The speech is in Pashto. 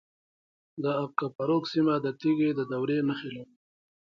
د اق کپروک سیمه د تیږې د دورې نښې لري